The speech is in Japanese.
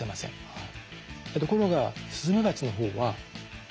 はい。